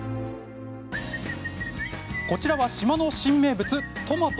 こちらは島の新名物、トマト。